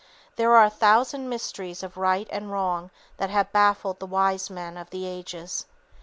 There are a thousand mysteries of right and wrong that have baffled the wise men of the ages.